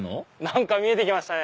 何か見えて来ました。